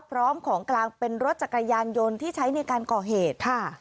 พร้อมของกลางเป็นรถจักรยานยนต์ที่ใช้ในการก่อเหตุค่ะ